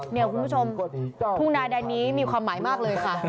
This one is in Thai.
เนี่ยคุณผู้ชมทุ่งนาแดนนี้มีความหมายมากเลยค่ะ